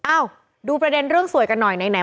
ดูประเด็นเรื่องสวยกันหน่อยไหน